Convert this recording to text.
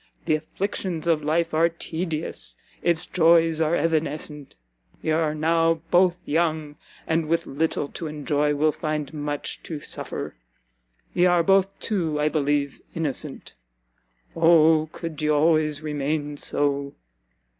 The afflictions of life are tedious, its joys are evanescent; ye are now both young, and, with little to enjoy, will find much to suffer. Ye are both, too, I believe, innocent Oh could ye always remain so!